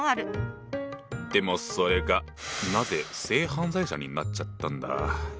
でもそれがなぜ「性犯罪者」になっちゃったんだ？